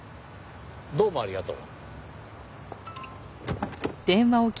どうもありがとう。